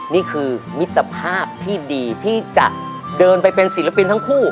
นี่คือมิตรภาพที่ดีที่จะเดินไปเป็นศิลปินทั้งคู่